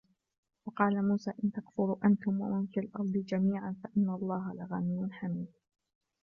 وقال موسى إن تكفروا أنتم ومن في الأرض جميعا فإن الله لغني حميد